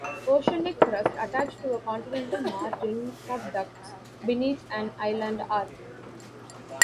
Oceanic crust attached to a continental margin subducts beneath an island arc.